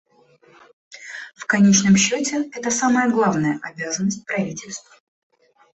В конечном счете, это самая главная обязанность правительств.